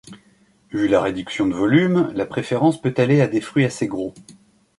Vu la réduction de volume, la préférence peut aller à des fruits assez gros.